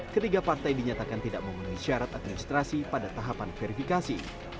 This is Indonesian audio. ketiga partai dinyatakan tidak memenuhi syarat administrasi pada tahapan verifikasi